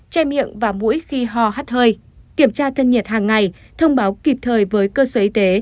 che miệng và mũi khi ho hắt hơi kiểm tra thân nhiệt hàng ngày thông báo kịp thời với cơ sở y tế